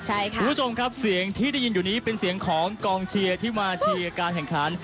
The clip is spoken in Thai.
คุณผู้ชมครับเสียงที่ได้ยินอยู่นี้เป็นเสียงของกองเชียร์ที่มาเชียร์การแข่งขัน